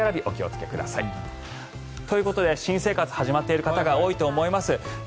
お気をつけください。ということで新生活が始まっている方が多いと思います。